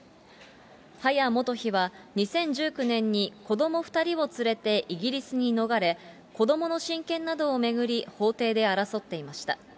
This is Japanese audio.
ハヤ元妃は２０１９年に子ども２人を連れてイギリスに逃れ、子どもの親権などを巡り法廷で争っていました。